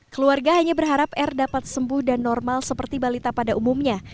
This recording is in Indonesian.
keluarga hanya berharap r dapat sembuh dan normal seperti balita pada umumnya